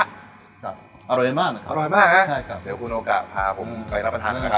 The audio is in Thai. อร่อยกันบ้างอร่อยมากนะใช่ครับเดี๋ยวคุณโอกาสพาผมไปรับประทานด้วยนะครับ